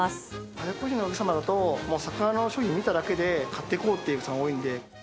外国人のお客様だと、桜の商品見ただけで、買っていこうっていう人が多いんで。